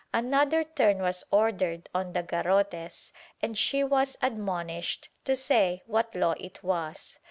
Another turn was ordered on the garrotes and she was admonished to say what Law it was.